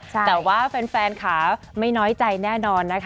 แต่ว่าแฟนขาไม่น้อยใจแน่นอนนะคะ